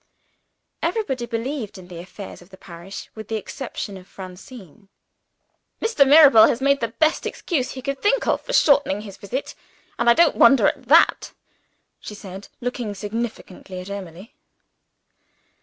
Everybody believed in the affairs of the parish with the exception of Francine. "Mr. Mirabel has made the best excuse he could think of for shortening his visit; and I don't wonder at it," she said, looking significantly at Emily.